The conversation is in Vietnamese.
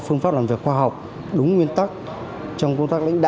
phương pháp làm việc khoa học đúng nguyên tắc trong công tác lãnh đạo